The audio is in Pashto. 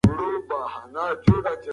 عزت مو زیات شه.